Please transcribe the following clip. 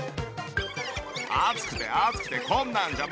暑くて暑くてこんなんじゃ